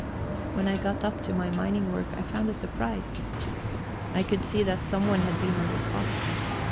When I got up to my mining work, I found a surprise. I could see that someone had been on the spot.